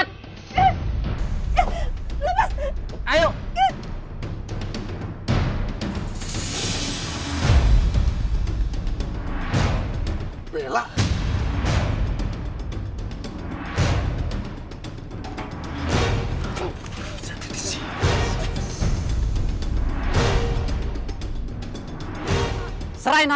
tidak dia sudah tiba